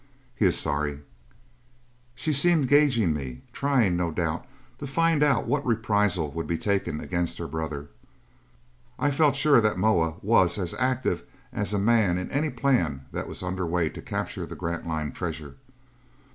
"He is sorry...." She seemed gauging me, trying, no doubt, to find out what reprisal would be taken against her brother. I felt sure that Moa was as active as a man in any plan that was under way to capture the Grantline treasure.